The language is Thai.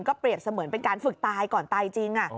เปรียบเสมือนเป็นการฝึกตายก่อนตายจริง